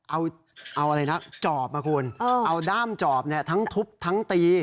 เอาอะไรนะจอบนะคุณเอาด้ามจอบเนี่ยทั้งทุบทั้งตี